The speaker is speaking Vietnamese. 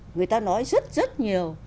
người ta nói rất rất nhiều